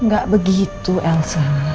gak begitu elsa